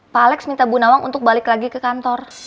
pak alex minta bunawang untuk balik lagi ke tandor